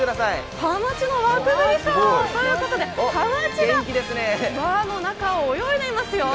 ハマチの輪くぐりショーということで、ハマチが輪の中を泳いでいますよ。